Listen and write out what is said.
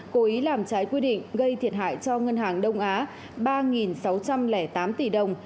cố ý làm trái quy định gây thiệt hại cho ngân hàng đông á ba sáu trăm linh tám tỷ đồng